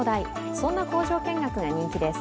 そんな工場見学が人気です。